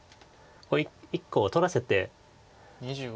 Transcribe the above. １個を取らせて。